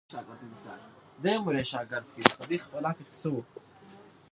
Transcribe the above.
زه اجازه لرم چي قلم استعمالوم کړم،